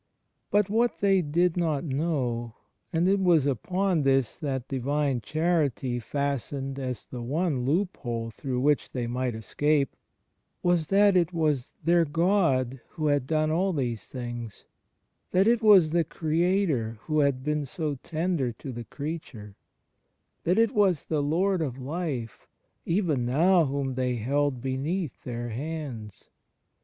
But what they did not know — and it was upon this that Divine Charity fastened as the one loophole through which they might escape — was that it was their God who had done all these things; that it was the Creator who had been so tender to the creature ; that it was the Lord of Life even now whom they held beneath their hands.